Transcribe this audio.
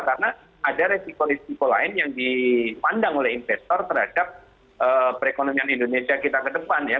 karena ada resiko resiko lain yang dipandang oleh investor terhadap perekonomian indonesia kita ke depan ya